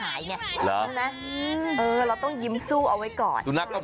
เอาไว้ก่อนสุนัขก็เหมือนกันเนอะเนอะเหมือนกันเออเนี่ยยิ้มใส่กันเนี่ยต่างฝ่ายต่างยิ้ม